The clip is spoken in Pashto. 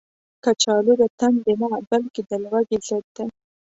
کچالو د تندې نه، بلکې د لوږې ضد دی